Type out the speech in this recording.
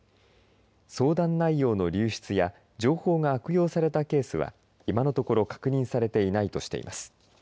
相談内容の流出や情報が悪用されたケースは今のところ確認されていないとしています。